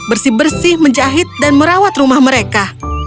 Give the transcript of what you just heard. bersih bersih menjahit dan merawat rumah mereka